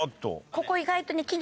ここ意外と。